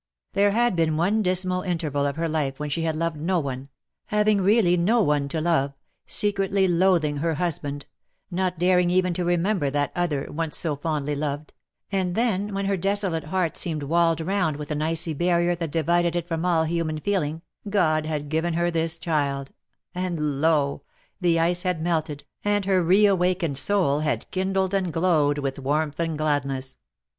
There had been one dismal interval of her life when she had loved no one — having really no one to love — secretly loathing her husband — not daring even to remember that other, once so fondly loved — and then, when her desolate heart seemed walled round with an icy barrier that divided it from all human feeliag, God had given her this child, and lo! the ice had melted, and her re awakened soul had kindled and glowed with warmth and gladness.